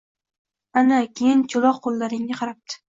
Ana keyin cho‘loq qo‘llaringga qarabdi